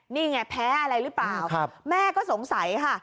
นี่ไงแพ้อะไรหรือเปล่าแม่ก็สงสัยค่ะ